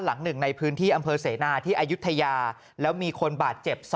หลังหนึ่งในพื้นที่อำเภอเสนาที่อายุทยาแล้วมีคนบาดเจ็บ๒